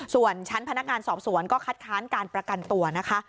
ส่วนชั้นพนักงานสอบสวนก็คัดค้านการประกันตัวนะคะ